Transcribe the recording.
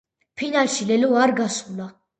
ფინალში ლელო არ გასულა.